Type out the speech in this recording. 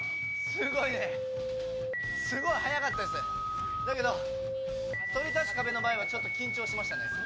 すごいね、すごい速かったですだけど、そり立つ壁の前はちょっと緊張しましたね。